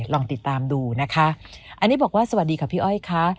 ลองติดตามดูนะคะอันนี้บอกว่าสวัสดีค่ะพี่อ้อยค่ะ